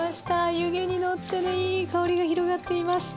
湯気に乗ってねいい香りが広がっています。